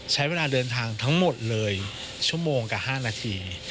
ใช้เวลาเดินทางทั้งหมดเลยชั่วโมงกับ๕นาที